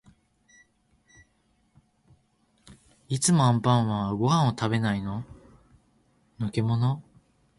いつもアンパンマンはご飯を食べてない。のけもの？